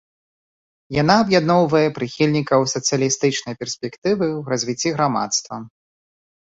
Яна аб'ядноўвае прыхільнікаў сацыялістычнай перспектывы ў развіцці грамадства.